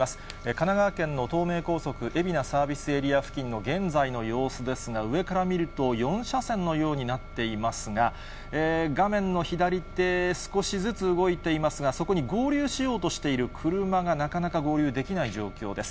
神奈川県の東名高速海老名サービスエリア付近の現在の様子ですが、上から見ると、４車線のようになっていますが、画面の左手、少しずつ動いていますが、そこに合流しようとしている車がなかなか合流できない状況です。